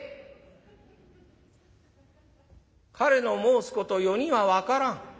「彼の申すこと余には分からん。